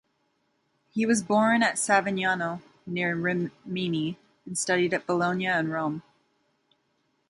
He was born at Savignano, near Rimini, and studied at Bologna and Rome.